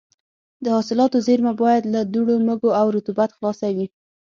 د حاصلاتو زېرمه باید له دوړو، مږو او رطوبت خلاصه وي.